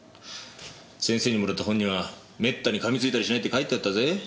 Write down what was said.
先生にもらった本にはめったに噛み付いたりしないって書いてあったぜ。